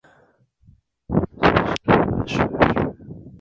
甘粛省の省都は蘭州である